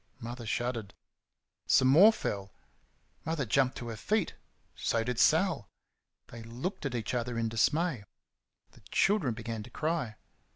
Mother shuddered. Some more fell. Mother jumped to her feet. So did Sal. They looked at each other in dismay. The children began to cry.